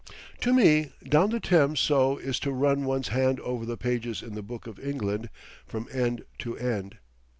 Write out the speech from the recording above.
To run down the Thames so is to run one's hand over the pages in the book of England from end to end.